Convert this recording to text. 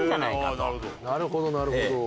なるほどなるほど。